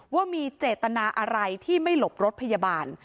ว่ามีเจตนาอะไรที่ไม่หลบรถพยาบาล